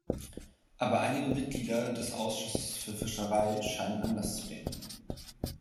Aber einige Mitglieder des Ausschusses für Fischerei scheinen anders zu denken.